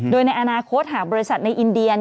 โดยในอนาคตหากบริษัทในอินเดีย